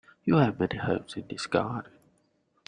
You have many herbs in this garden.